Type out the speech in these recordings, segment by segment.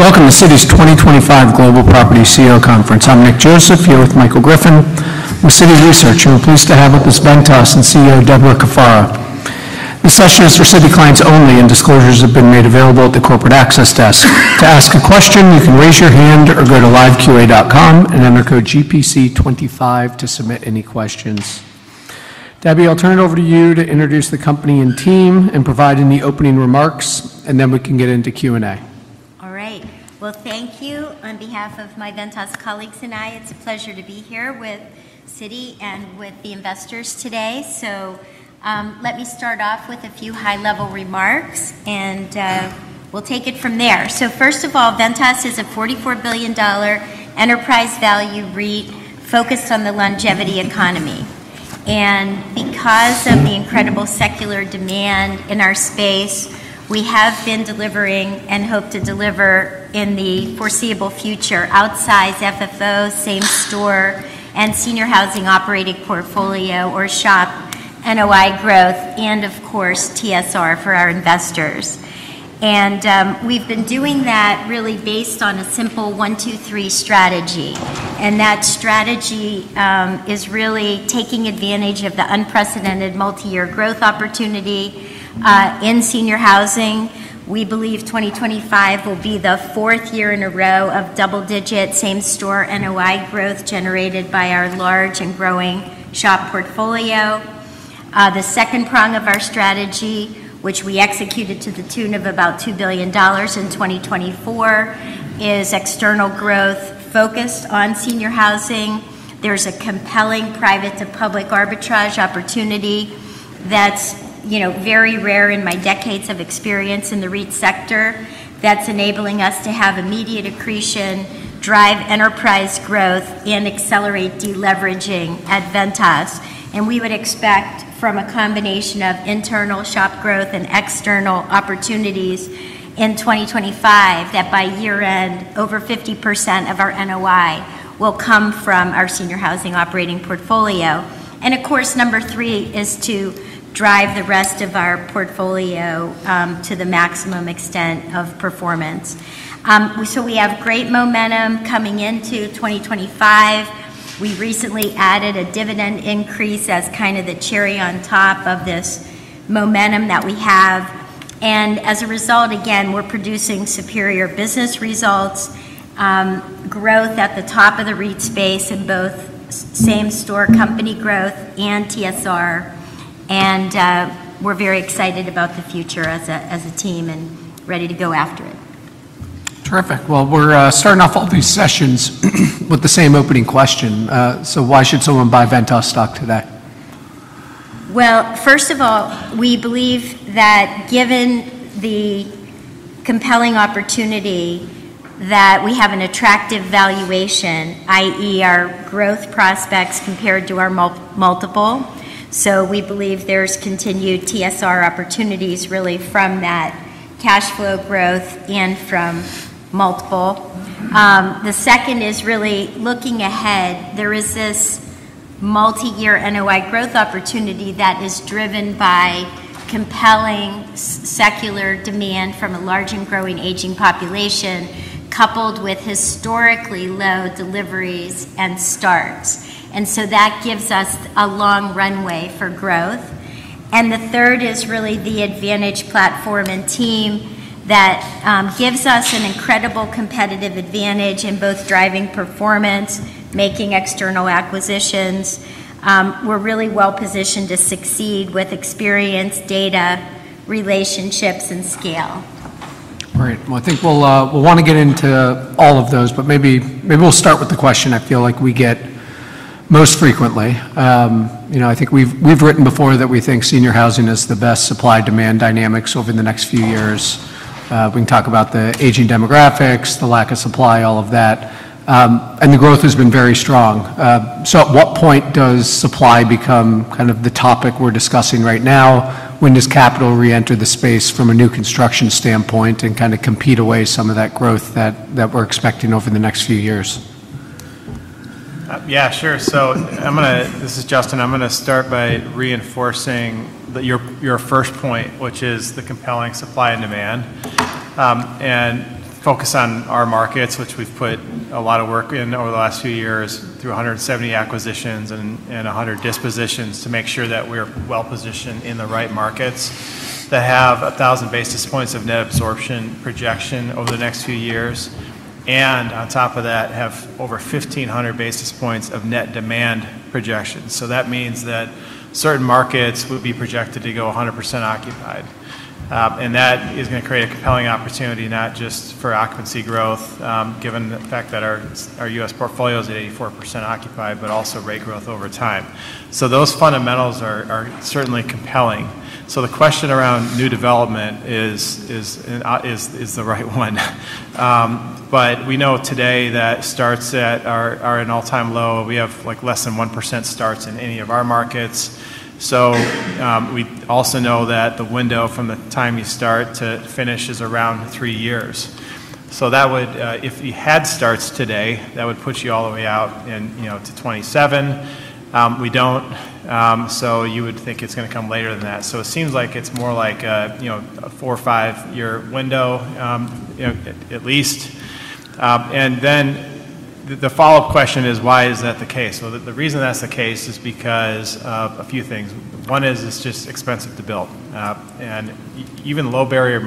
Welcome to Citi's 2025 Global Property CEO Conference. I'm Nick Joseph, here with Michael Griffin. I'm a Citi researcher. I'm pleased to have with us Ventas and CEO Debra Cafaro. This session is for Citi clients only, and disclosures have been made available at the corporate access desk. To ask a question, you can raise your hand or go to LiveQA.com and enter code GPC25 to submit any questions. Debbie, I'll turn it over to you to introduce the company and team and provide any opening remarks, and then we can get into Q&A. All right, well, thank you on behalf of my Ventas colleagues and I. It's a pleasure to be here with Citi and with the investors today, so let me start off with a few high-level remarks, and we'll take it from there. So first of all, Ventas is a $44 billion enterprise value REIT focused on the longevity economy, and because of the incredible secular demand in our space, we have been delivering and hope to deliver in the foreseeable future outsize FFO, same store, and Senior Housing Operating Portfolio or SHOP NOI growth, and of course, TSR for our investors, and we've been doing that really based on a simple one, two, three strategy. And that strategy is really taking advantage of the unprecedented multi-year growth opportunity in Senior Housing. We believe 2025 will be the fourth year in a row of double-digit same store NOI growth generated by our large and growing SHOP portfolio. The second prong of our strategy, which we executed to the tune of about $2 billion in 2024, is external growth focused on Senior Housing. There's a compelling private-to-public arbitrage opportunity that's very rare in my decades of experience in the REIT sector that's enabling us to have immediate accretion, drive enterprise growth, and accelerate deleveraging at Ventas, and we would expect from a combination of internal SHOP growth and external opportunities in 2025 that by year-end, over 50% of our NOI will come from our Senior Housing Operating Portfolio, and of course, number three is to drive the rest of our portfolio to the maximum extent of performance, so we have great momentum coming into 2025. We recently added a dividend increase as kind of the cherry on top of this momentum that we have, and as a result, again, we're producing superior business results, growth at the top of the REIT space in both same store company growth and TSR, and we're very excited about the future as a team and ready to go after it. Terrific. Well, we're starting off all these sessions with the same opening question. So why should someone buy Ventas stock today? First of all, we believe that given the compelling opportunity that we have an attractive valuation, i.e., our growth prospects compared to our multiple, so we believe there's continued TSR opportunities really from that cash flow growth and from multiple. The second is really looking ahead. There is this multi-year NOI growth opportunity that is driven by compelling secular demand from a large and growing aging population, coupled with historically low deliveries and starts, and so that gives us a long runway for growth, and the third is really the advantage platform and team that gives us an incredible competitive advantage in both driving performance, making external acquisitions. We're really well positioned to succeed with experience, data, relationships, and scale. All right. Well, I think we'll want to get into all of those, but maybe we'll start with the question I feel like we get most frequently. I think we've written before that we think Senior Housing is the best supply-demand dynamics over the next few years. We can talk about the aging demographics, the lack of supply, all of that. And the growth has been very strong. So at what point does supply become kind of the topic we're discussing right now? When does capital re-enter the space from a new construction standpoint and kind of compete away some of that growth that we're expecting over the next few years? Yeah, sure. So this is Justin. I'm going to start by reinforcing your first point, which is the compelling supply and demand, and focus on our markets, which we've put a lot of work in over the last few years through 170 acquisitions and 100 dispositions to make sure that we're well positioned in the right markets that have 1,000 basis points of net absorption projection over the next few years. And on top of that, have over 1,500 basis points of net demand projection. So that means that certain markets would be projected to go 100% occupied. And that is going to create a compelling opportunity, not just for occupancy growth, given the fact that our U.S. portfolio is at 84% occupied, but also rate growth over time. So those fundamentals are certainly compelling. So the question around new development is the right one. But we know today that starts at our all-time low. We have less than 1% starts in any of our markets. So we also know that the window from the time you start to finish is around three years. So if you had starts today, that would push you all the way out to 2027. We don't. So you would think it's going to come later than that. So it seems like it's more like a four or five-year window, at least. And then the follow-up question is, why is that the case? So the reason that's the case is because of a few things. One is it's just expensive to build. And even low-barrier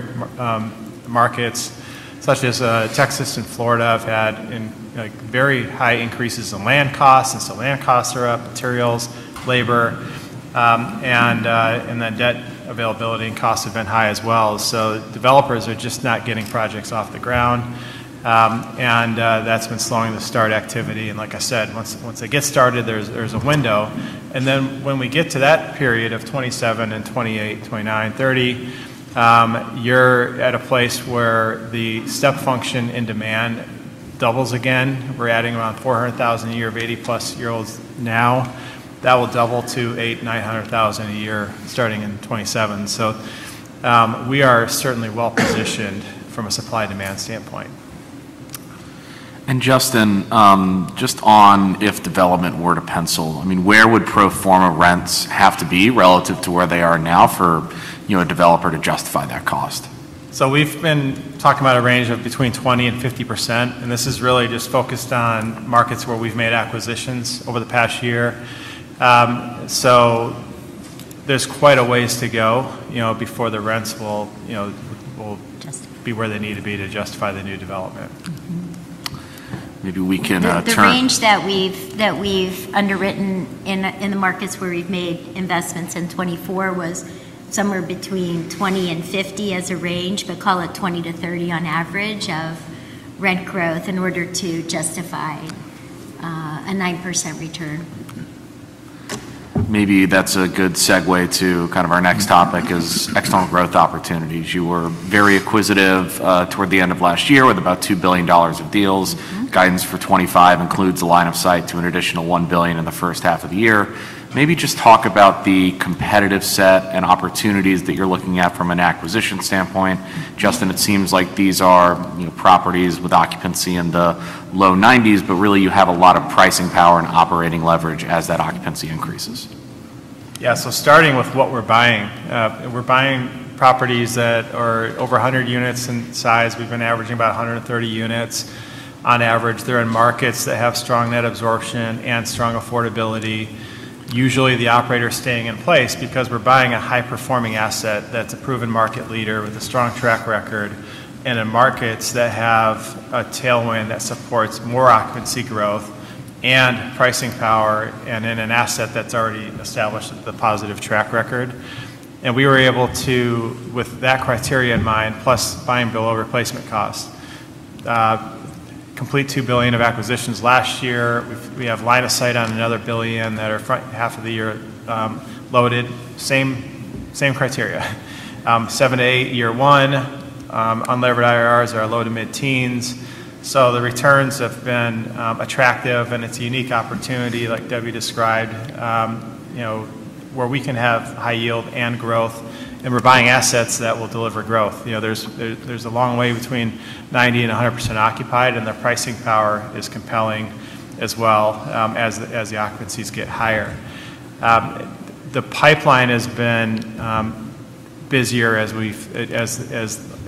markets such as Texas and Florida have had very high increases in land costs since the land costs are up, materials, labor, and then debt availability and costs have been high as well. Developers are just not getting projects off the ground. And that's been slowing the start activity. And like I said, once they get started, there's a window. And then when we get to that period of 2027 and 2028, 2029, 2030, you're at a place where the step function in demand doubles again. We're adding around 400,000 a year of 80-plus-year-olds now. That will double to 800,000, 900,000 a year starting in 2027. So we are certainly well positioned from a supply-demand standpoint. Justin, just on if development were to pencil, I mean, where would pro forma rents have to be relative to where they are now for a developer to justify that cost? We've been talking about a range of between 20% and 50%. This is really just focused on markets where we've made acquisitions over the past year. There's quite a ways to go before the rents will be where they need to be to justify the new development. Maybe we can turn. The range that we've underwritten in the markets where we've made investments in 2024 was somewhere between 20 and 50 as a range, but call it 20 to 30 on average of rent growth in order to justify a 9% return. Maybe that's a good segue to kind of our next topic, external growth opportunities. You were very acquisitive toward the end of last year with about $2 billion of deals. Guidance for 2025 includes a line of sight to an additional $1 billion in the first half of the year. Maybe just talk about the competitive set and opportunities that you're looking at from an acquisition standpoint. Justin, it seems like these are properties with occupancy in the low 90s, but really you have a lot of pricing power and operating leverage as that occupancy increases. Yeah, so starting with what we're buying, we're buying properties that are over 100 units in size. We've been averaging about 130 units on average. They're in markets that have strong net absorption and strong affordability. Usually, the operator's staying in place because we're buying a high-performing asset that's a proven market leader with a strong track record and in markets that have a tailwind that supports more occupancy growth and pricing power and in an asset that's already established with a positive track record, and we were able to, with that criteria in mind, plus buying below replacement cost, complete $2 billion of acquisitions last year. We have line of sight on another $1 billion that are front half of the year loaded, same criteria. 7 to 8-year one unlevered IRRs are low to mid-teens. So the returns have been attractive, and it's a unique opportunity, like Debbie described, where we can have high yield and growth, and we're buying assets that will deliver growth. There's a long way between 90% and 100% occupied, and the pricing power is compelling as well as the occupancies get higher. The pipeline has been busier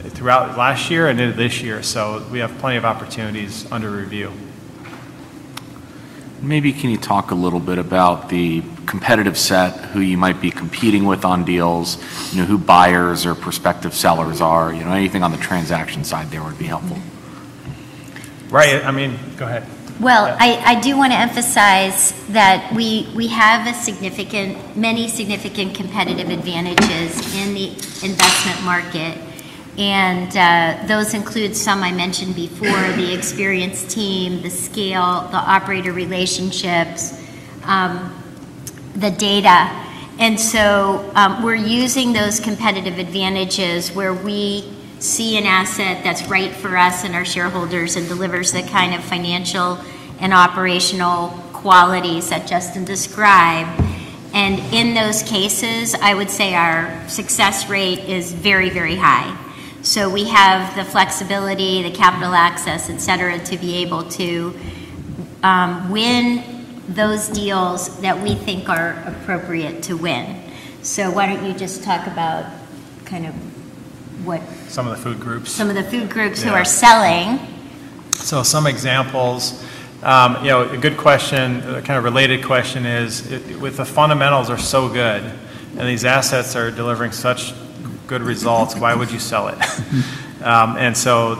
throughout last year and into this year. So we have plenty of opportunities under review. Maybe can you talk a little bit about the competitive set, who you might be competing with on deals, who buyers or prospective sellers are? Anything on the transaction side there would be helpful. Right. I mean, go ahead. Well, I do want to emphasize that we have many significant competitive advantages in the investment market. And those include some I mentioned before: the experience team, the scale, the operator relationships, the data. And so we're using those competitive advantages where we see an asset that's right for us and our shareholders and delivers the kind of financial and operational qualities that Justin described. And in those cases, I would say our success rate is very, very high. So we have the flexibility, the capital access, etc., to be able to win those deals that we think are appropriate to win. So why don't you just talk about kind of what? Some of the food groups. Some of the food groups who are selling. Some examples. A good question, kind of related question is, with the fundamentals are so good and these assets are delivering such good results, why would you sell it?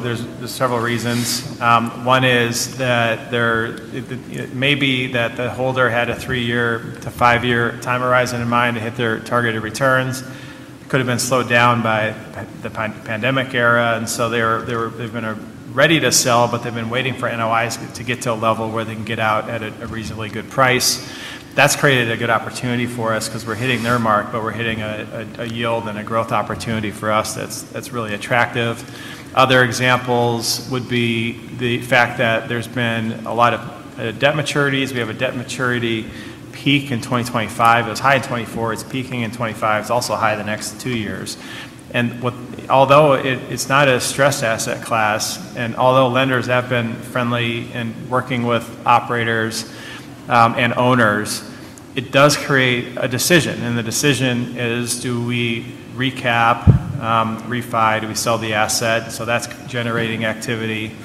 There's several reasons. One is that maybe the holder had a three-year to five-year time horizon in mind to hit their targeted returns. It could have been slowed down by the pandemic era. They've been ready to sell, but they've been waiting for NOIs to get to a level where they can get out at a reasonably good price. That's created a good opportunity for us because we're hitting their mark, but we're hitting a yield and a growth opportunity for us that's really attractive. Other examples would be the fact that there's been a lot of debt maturities. We have a debt maturity peak in 2025. It was high in 2024. It's peaking in 2025. It's also high the next two years. And although it's not a stress asset class, and although lenders have been friendly and working with operators and owners, it does create a decision. And the decision is, do we recap, refi, do we sell the asset? So that's generating activity.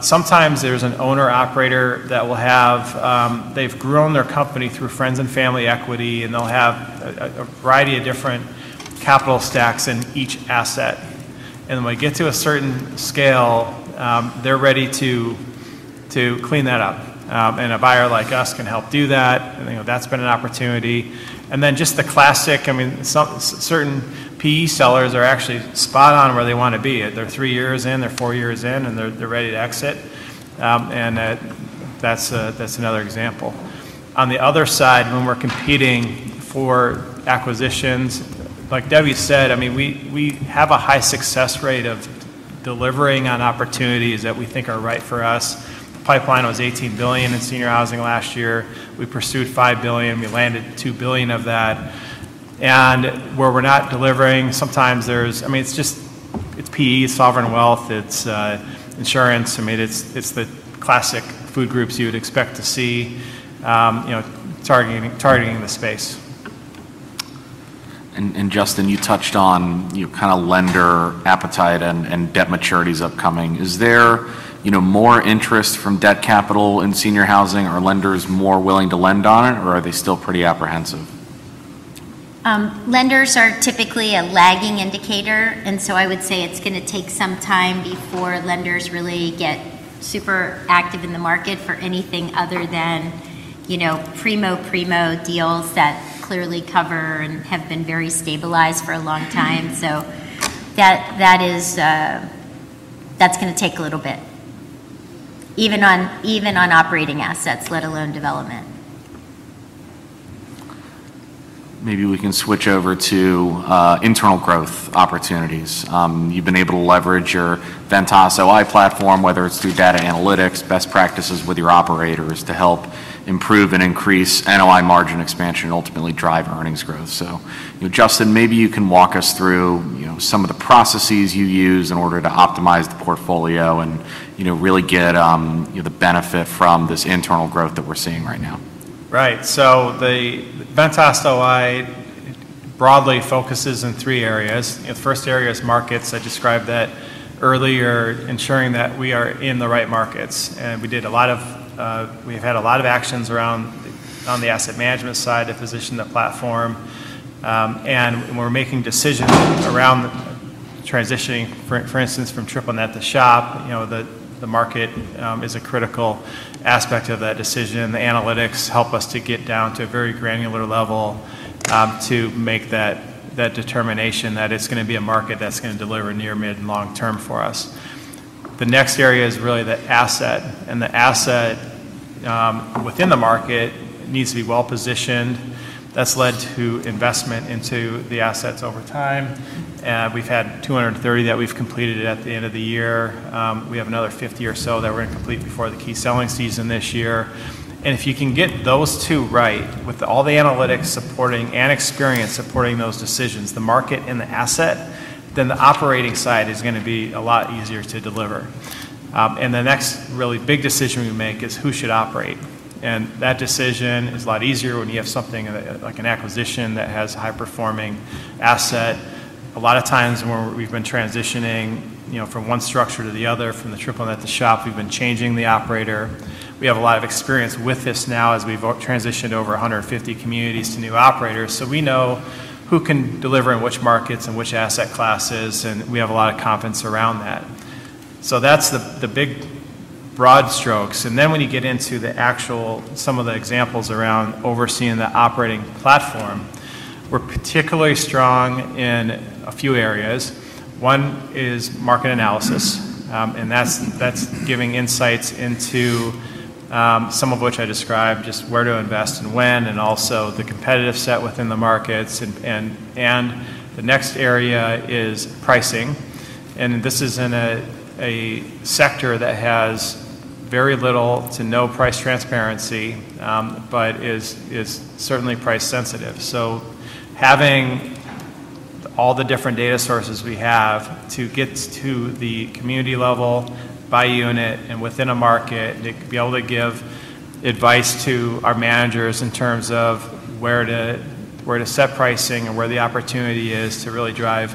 Sometimes there's an owner-operator that they've grown their company through friends and family equity, and they'll have a variety of different capital stacks in each asset. And when we get to a certain scale, they're ready to clean that up. And a buyer like us can help do that. And that's been an opportunity. And then just the classic, I mean, certain PE sellers are actually spot on where they want to be. They're three years in, they're four years in, and they're ready to exit. And that's another example. On the other side, when we're competing for acquisitions, like Debbie said, I mean, we have a high success rate of delivering on opportunities that we think are right for us. Pipeline was $18 billion in senior housing last year. We pursued $5 billion. We landed $2 billion of that, and where we're not delivering, sometimes there's, I mean, it's PE, sovereign wealth, it's insurance. I mean, it's the classic food groups you would expect to see targeting the space. Justin, you touched on kind of lender appetite and debt maturities upcoming. Is there more interest from debt capital in Senior Housing? Are lenders more willing to lend on it, or are they still pretty apprehensive? Lenders are typically a lagging indicator, and so I would say it's going to take some time before lenders really get super active in the market for anything other than primo-primo deals that clearly cover and have been very stabilized for a long time, so that's going to take a little bit, even on operating assets, let alone development. Maybe we can switch over to internal growth opportunities. You've been able to leverage your Ventas OI platform, whether it's through data analytics, best practices with your operators to help improve and increase NOI margin expansion and ultimately drive earnings growth. So Justin, maybe you can walk us through some of the processes you use in order to optimize the portfolio and really get the benefit from this internal growth that we're seeing right now. Right, so the Ventas OI, broadly focuses in three areas. The first area is markets. I described that earlier, ensuring that we are in the right markets. And we've had a lot of actions around on the asset management side to position the platform. And when we're making decisions around transitioning, for instance, from triple-net to SHOP, the market is a critical aspect of that decision. The analytics help us to get down to a very granular level to make that determination that it's going to be a market that's going to deliver near, mid, and long-term for us. The next area is really the asset, and the asset within the market needs to be well positioned. That's led to investment into the assets over time. We've had 230 that we've completed at the end of the year. We have another 50 or so that we're going to complete before the key selling season this year. And if you can get those two right with all the analytics supporting and experience supporting those decisions, the market and the asset, then the operating side is going to be a lot easier to deliver. And the next really big decision we make is who should operate. And that decision is a lot easier when you have something like an acquisition that has a high-performing asset. A lot of times when we've been transitioning from one structure to the other, from the triple-net to SHOP, we've been changing the operator. We have a lot of experience with this now as we've transitioned over 150 communities to new operators. So we know who can deliver in which markets and which asset classes, and we have a lot of confidence around that. So that's the big broad strokes. And then when you get into some of the examples around overseeing the operating platform, we're particularly strong in a few areas. One is market analysis. And that's giving insights into some of which I described, just where to invest and when, and also the competitive set within the markets. And the next area is pricing. And this is in a sector that has very little to no price transparency, but is certainly price sensitive. So having all the different data sources we have to get to the community level, by unit, and within a market, to be able to give advice to our managers in terms of where to set pricing and where the opportunity is to really drive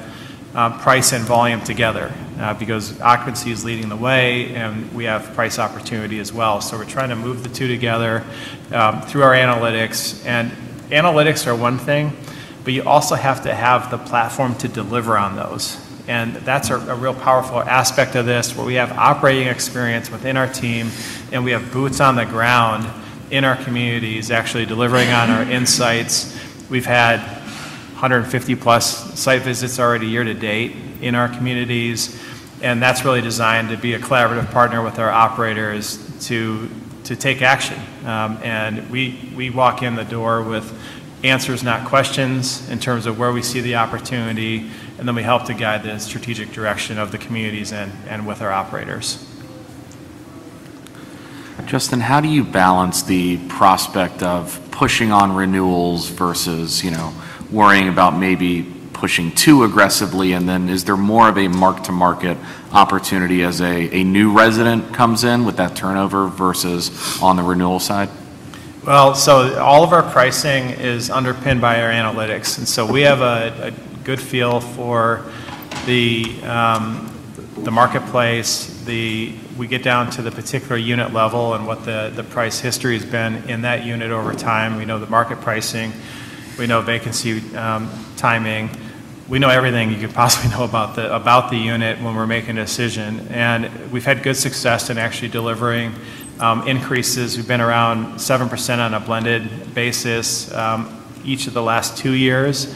price and volume together because occupancy is leading the way, and we have price opportunity as well. So we're trying to move the two together through our analytics. And analytics are one thing, but you also have to have the platform to deliver on those. And that's a real powerful aspect of this where we have operating experience within our team, and we have boots on the ground in our communities actually delivering on our insights. We've had 150+ site visits already year to date in our communities. And that's really designed to be a collaborative partner with our operators to take action. And we walk in the door with answers, not questions, in terms of where we see the opportunity. And then we help to guide the strategic direction of the communities and with our operators. Justin, how do you balance the prospect of pushing on renewals versus worrying about maybe pushing too aggressively? And then is there more of a mark-to-market opportunity as a new resident comes in with that turnover versus on the renewal side? Well, so all of our pricing is underpinned by our analytics. And so we have a good feel for the marketplace. We get down to the particular unit level and what the price history has been in that unit over time. We know the market pricing. We know vacancy timing. We know everything you could possibly know about the unit when we're making a decision. And we've had good success in actually delivering increases. We've been around 7% on a blended basis each of the last two years.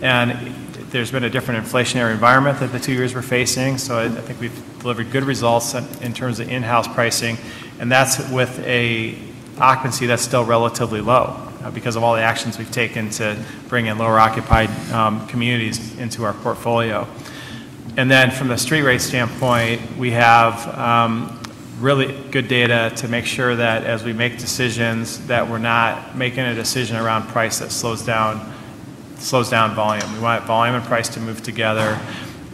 And there's been a different inflationary environment that the two years we're facing. So I think we've delivered good results in terms of in-house pricing. And that's with an occupancy that's still relatively low because of all the actions we've taken to bring in lower-occupied communities into our portfolio. And then from the street rate standpoint, we have really good data to make sure that as we make decisions, that we're not making a decision around price that slows down volume. We want volume and price to move together.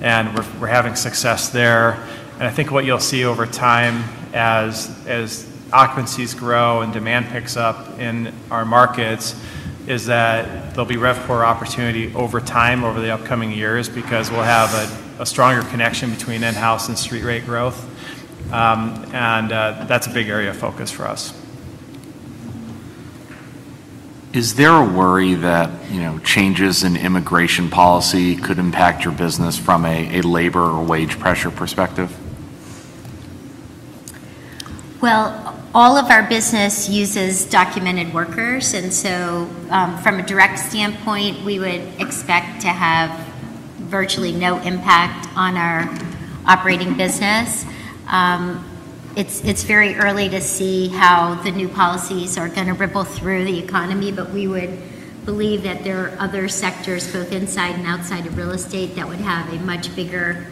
And we're having success there. And I think what you'll see over time as occupancies grow and demand picks up in our markets is that there'll be rev core opportunity over time over the upcoming years because we'll have a stronger connection between in-house and street rate growth. And that's a big area of focus for us. Is there a worry that changes in immigration policy could impact your business from a labor or wage pressure perspective? All of our business uses documented workers. From a direct standpoint, we would expect to have virtually no impact on our operating business. It's very early to see how the new policies are going to ripple through the economy, but we would believe that there are other sectors, both inside and outside of real estate, that would have a much bigger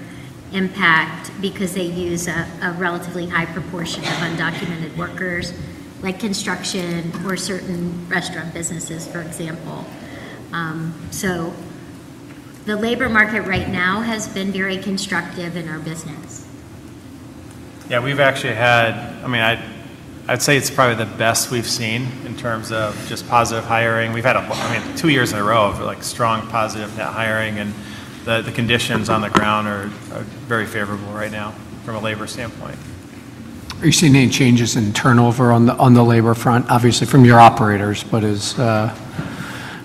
impact because they use a relatively high proportion of undocumented workers like construction or certain restaurant businesses, for example. The labor market right now has been very constructive in our business. Yeah, we've actually had, I mean, I'd say it's probably the best we've seen in terms of just positive hiring. We've had, I mean, two years in a row of strong positive net hiring. And the conditions on the ground are very favorable right now from a labor standpoint. Are you seeing any changes in turnover on the labor front, obviously from your operators, but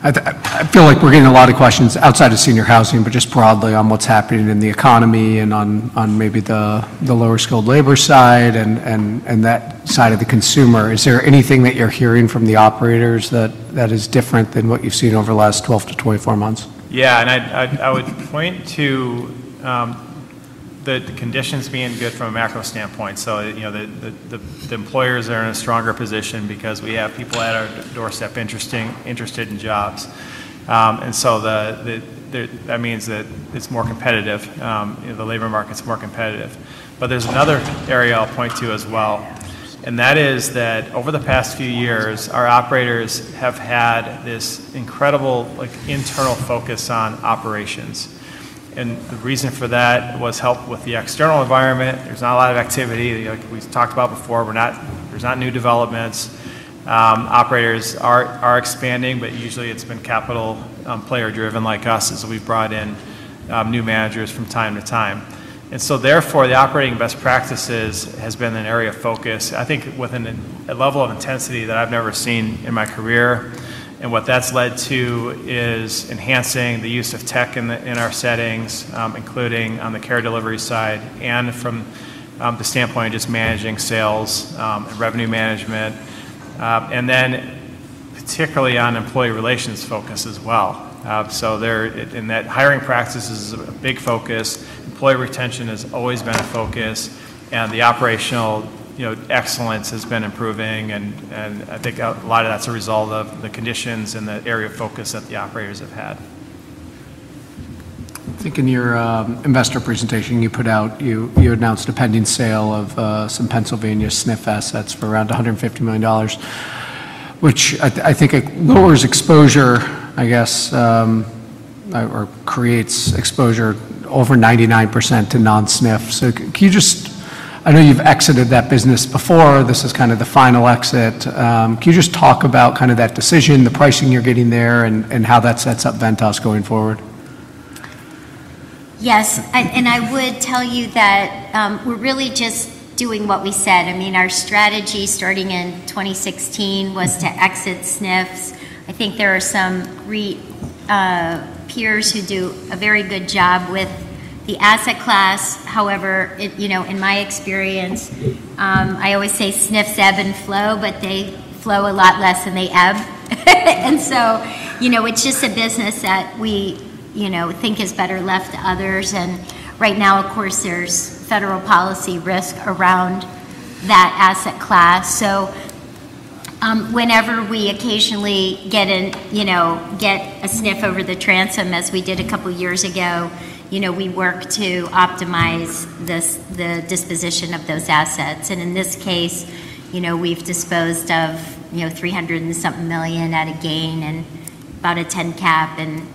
I feel like we're getting a lot of questions outside of Senior Housing, but just broadly on what's happening in the economy and on maybe the lower-skilled labor side and that side of the consumer? Is there anything that you're hearing from the operators that is different than what you've seen over the last 12-24 months? Yeah. And I would point to the conditions being good from a macro standpoint. So the employers are in a stronger position because we have people at our doorstep interested in jobs. And so that means that it's more competitive. The labor market's more competitive. But there's another area I'll point to as well. And that is that over the past few years, our operators have had this incredible internal focus on operations. And the reason for that was help with the external environment. There's not a lot of activity. Like we've talked about before, there's not new developments. Operators are expanding, but usually it's been capital player-driven like us as we've brought in new managers from time to time. And so therefore, the operating best practices has been an area of focus, I think, with a level of intensity that I've never seen in my career. And what that's led to is enhancing the use of tech in our settings, including on the care delivery side and from the standpoint of just managing sales and revenue management. And then particularly on employee relations focus as well. So in that hiring practices is a big focus. Employee retention has always been a focus. And the operational excellence has been improving. And I think a lot of that's a result of the conditions and the area of focus that the operators have had. I think in your investor presentation, you announced a pending sale of some Pennsylvania SNF assets for around $150 million, which I think lowers exposure, I guess, or creates exposure over 99% to non-SNF. So can you just, I know you've exited that business before. This is kind of the final exit. Can you just talk about kind of that decision, the pricing you're getting there, and how that sets up Ventas going forward? Yes. And I would tell you that we're really just doing what we said. I mean, our strategy starting in 2016 was to exit SNFs. I think there are some peers who do a very good job with the asset class. However, in my experience, I always say SNFs ebb and flow, but they flow a lot less than they ebb. And so it's just a business that we think is better left to others. And right now, of course, there's federal policy risk around that asset class. So whenever we occasionally get a SNF over the transom, as we did a couple of years ago, we work to optimize the disposition of those assets. And in this case, we've disposed of $300 and something million at a gain and about a 10% cap. And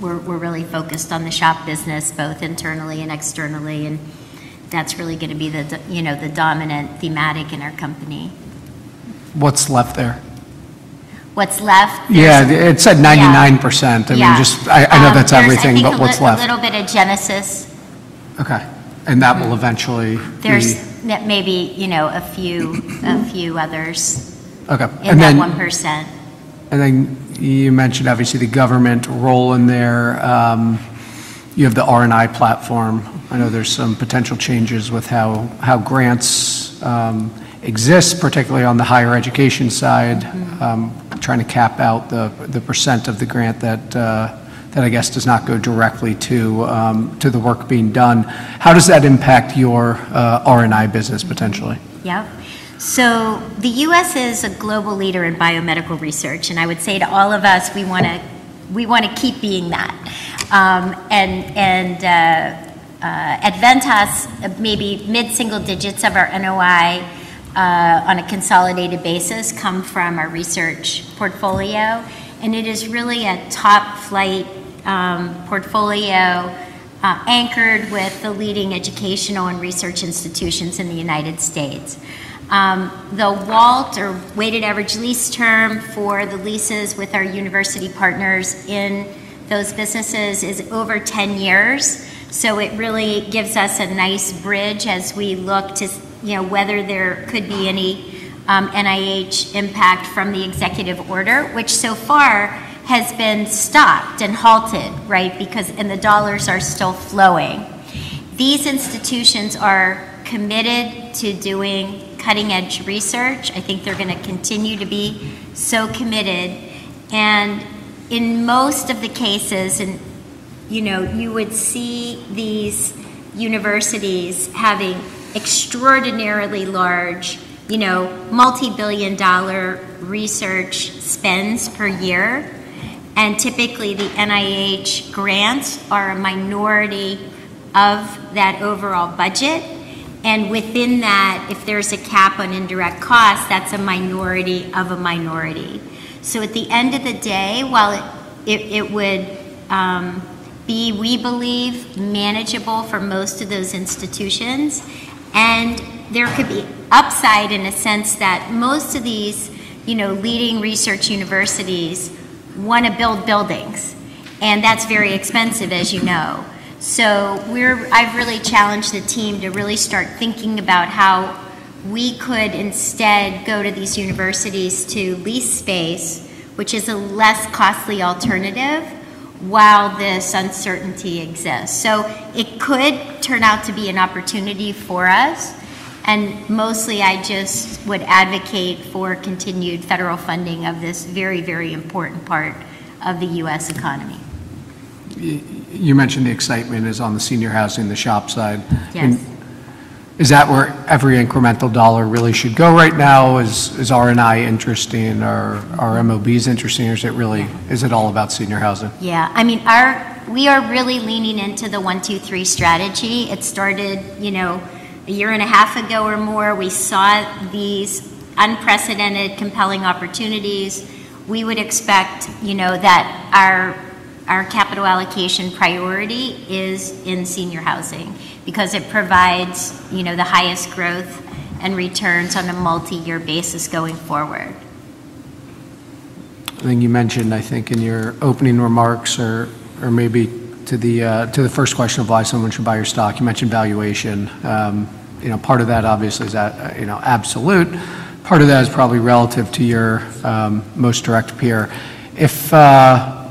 we're really focused on the SHOP business, both internally and externally. That's really going to be the dominant theme in our company. What's left there? What's left? Yeah. It said 99%. I mean, I know that's everything, but what's left? A little bit of Genesis. Okay. And that will eventually be. There's maybe a few others. Okay. And then. About 1%. And then you mentioned, obviously, the government role in there. You have the R&I platform. I know there's some potential changes with how grants exist, particularly on the higher education side, trying to cap out the percent of the grant that, I guess, does not go directly to the work being done. How does that impact your R&I business, potentially? Yep. So the U.S. is a global leader in biomedical research. And I would say to all of us, we want to keep being that. And at Ventas, maybe mid-single digits of our NOI on a consolidated basis come from our research portfolio. And it is really a top-flight portfolio anchored with the leading educational and research institutions in the United States. The WALT, or Weighted Average Lease Term for the leases with our university partners in those businesses, is over 10 years. So it really gives us a nice bridge as we look to whether there could be any NIH impact from the executive order, which so far has been stopped and halted, right, because the dollars are still flowing. These institutions are committed to doing cutting-edge research. I think they're going to continue to be so committed. And in most of the cases, you would see these universities having extraordinarily large multi-billion-dollar research spends per year. And typically, the NIH grants are a minority of that overall budget. And within that, if there's a cap on indirect costs, that's a minority of a minority. So at the end of the day, while it would be, we believe, manageable for most of those institutions, and there could be upside in a sense that most of these leading research universities want to build buildings. And that's very expensive, as you know. So I've really challenged the team to really start thinking about how we could instead go to these universities to lease space, which is a less costly alternative while this uncertainty exists. So it could turn out to be an opportunity for us. Mostly, I just would advocate for continued federal funding of this very, very important part of the U.S. economy. You mentioned the excitement is on the Senior Housing, the SHOP side. Is that where every incremental dollar really should go right now? Is R&I interesting? Are MOBs interesting? Or is it all about Senior Housing? Yeah. I mean, we are really leaning into the one, two, three strategy. It started a year and a half ago or more. We saw these unprecedented compelling opportunities. We would expect that our capital allocation priority is in Senior Housing because it provides the highest growth and returns on a multi-year basis going forward. I think you mentioned, I think, in your opening remarks or maybe to the first question of why someone should buy your stock, you mentioned valuation. Part of that, obviously, is absolute. Part of that is probably relative to your most direct peer.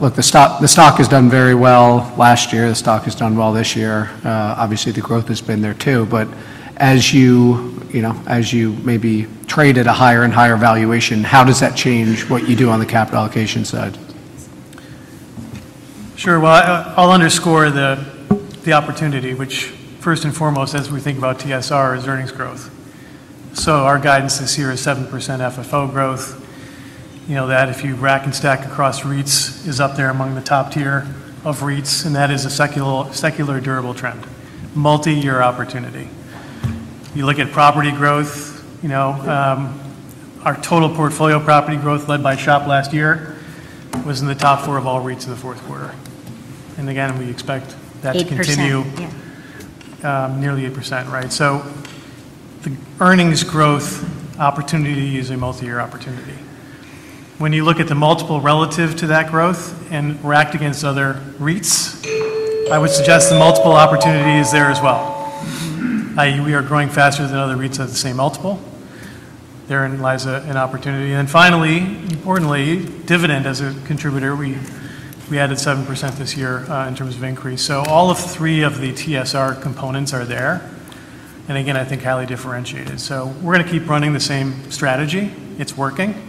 Look, the stock has done very well last year. The stock has done well this year. Obviously, the growth has been there too. But as you maybe trade at a higher and higher valuation, how does that change what you do on the capital allocation side? Sure. Well, I'll underscore the opportunity, which first and foremost, as we think about TSR, is earnings growth. So our guidance this year is 7% FFO growth. That if you rack and stack across REITs, is up there among the top tier of REITs. And that is a secular, durable trend, multi-year opportunity. You look at property growth, our total portfolio property growth led by SHOP last year was in the top four of all REITs in the fourth quarter. And again, we expect that to continue. 8%. Yeah. Nearly 8%, right? So the earnings growth opportunity is a multi-year opportunity. When you look at the multiple relative to that growth and racked against other REITs, I would suggest the multiple opportunity is there as well. We are growing faster than other REITs at the same multiple. Therein lies an opportunity, and then finally, importantly, dividend as a contributor, we added 7% this year in terms of increase, so all three of the TSR components are there, and again, I think highly differentiated, so we're going to keep running the same strategy. It's working,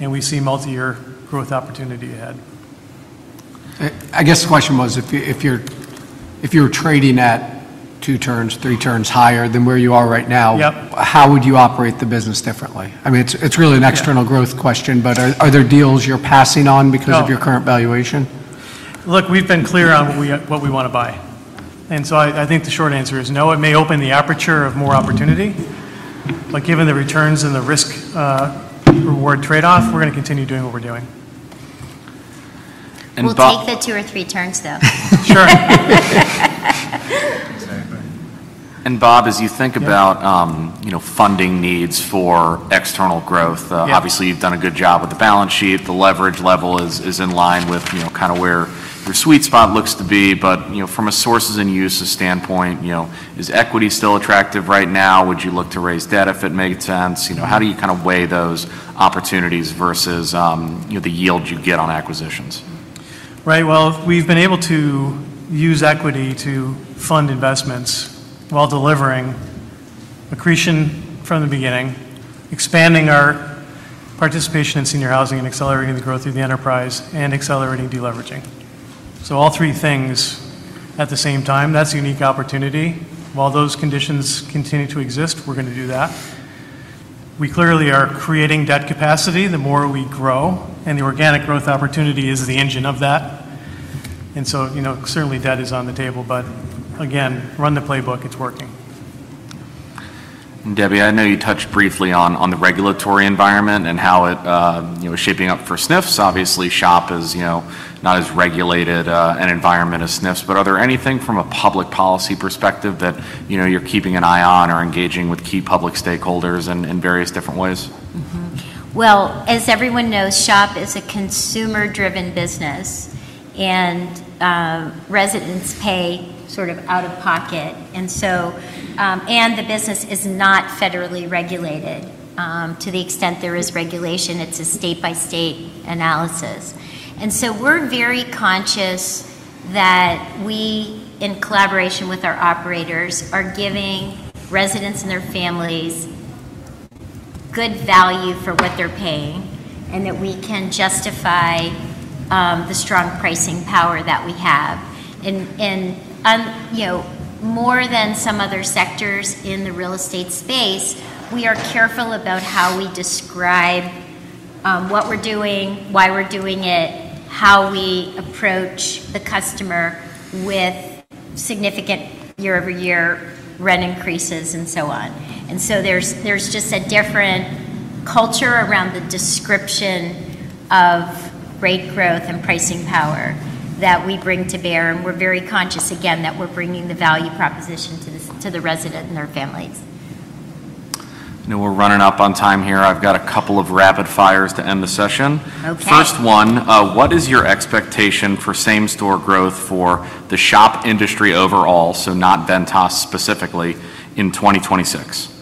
and we see multi-year growth opportunity ahead. I guess the question was, if you're trading at two turns, three turns higher than where you are right now, how would you operate the business differently? I mean, it's really an external growth question, but are there deals you're passing on because of your current valuation? Look, we've been clear on what we want to buy, and so I think the short answer is no. It may open the aperture of more opportunity, but given the returns and the risk-reward trade-off, we're going to continue doing what we're doing. We'll take the two or three turns, though. Sure. Bob, as you think about funding needs for external growth, obviously, you've done a good job with the balance sheet. The leverage level is in line with kind of where your sweet spot looks to be. But from a sources and uses standpoint, is equity still attractive right now? Would you look to raise debt if it made sense? How do you kind of weigh those opportunities versus the yield you get on acquisitions? Right. Well, we've been able to use equity to fund investments while delivering accretion from the beginning, expanding our participation in Senior Housing and accelerating the growth through the enterprise and accelerating deleveraging. So all three things at the same time. That's a unique opportunity. While those conditions continue to exist, we're going to do that. We clearly are creating debt capacity the more we grow. And the organic growth opportunity is the engine of that. And so certainly, debt is on the table. But again, run the playbook. It's working. And Debbie, I know you touched briefly on the regulatory environment and how it is shaping up for SNFs. Obviously, SHOP is not as regulated an environment as SNFs. But are there anything from a public policy perspective that you're keeping an eye on or engaging with key public stakeholders in various different ways? As everyone knows, SHOP is a consumer-driven business. And residents pay sort of out of pocket. And the business is not federally regulated to the extent there is regulation. It's a state-by-state analysis. And so we're very conscious that we, in collaboration with our operators, are giving residents and their families good value for what they're paying and that we can justify the strong pricing power that we have. And more than some other sectors in the real estate space, we are careful about how we describe what we're doing, why we're doing it, how we approach the customer with significant year-over-year rent increases and so on. And so there's just a different culture around the description of rate growth and pricing power that we bring to bear. And we're very conscious, again, that we're bringing the value proposition to the resident and their families. We're running up on time here. I've got a couple of rapid fires to end the session. First one, what is your expectation for same-store growth for the SHOP industry overall, so not Ventas specifically, in 2026?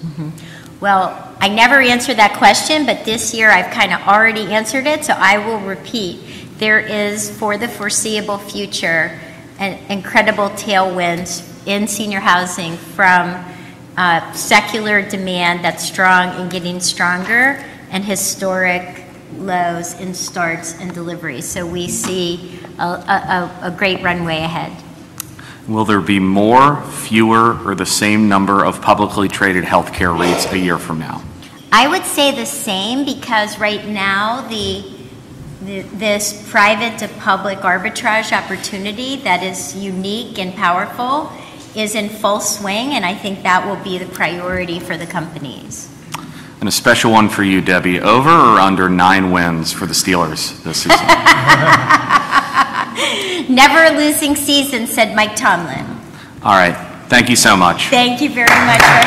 I never answered that question, but this year, I've kind of already answered it. I will repeat. There is, for the foreseeable future, incredible tailwinds in Senior Housing from secular demand that's strong and getting stronger and historic lows in starts and deliveries. We see a great runway ahead. Will there be more, fewer, or the same number of publicly traded healthcare REITs a year from now? I would say the same because right now, this private-to-public arbitrage opportunity that is unique and powerful is in full swing, and I think that will be the priority for the companies. A special one for you, Debbie. Over or under nine wins for the Steelers this season? Never a losing season, said Mike Tomlin. All right. Thank you so much. Thank you very much.